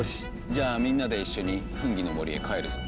じゃあみんなで一緒にフンギの森へ帰るぞ。